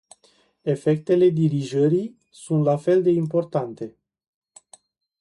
Efectele dirijării sunt la fel de importante.